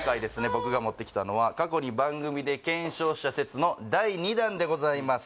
僕が持ってきたのは過去に番組で検証した説の第２弾でございます